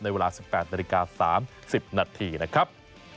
เวลา๑๘นาฬิกา๓๐นาทีนะครับ